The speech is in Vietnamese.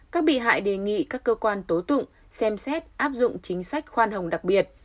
các bị hại đề nghị các cơ quan tố tụng xem xét áp dụng chính sách khoan hồng đặc biệt